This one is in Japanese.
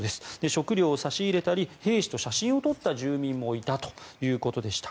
食料を差し入れたり兵士と写真を撮った住民もいたということでした。